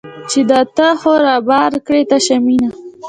چې دا تا خو رابار کړې تشه مینه